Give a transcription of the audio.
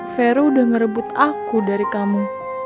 vero udah ngerebut aku dari kamu